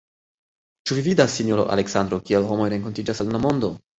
Ĉu vi vidas, sinjoro Aleksandro, kiel homoj renkontiĝas en la mondo!